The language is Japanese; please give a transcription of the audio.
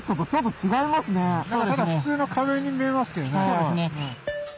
そうですね。